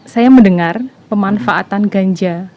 saya mendengar pemanfaatan ganja